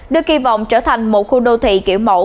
đưa kỳ vọng trở thành một khu đô thị kiểu mẫu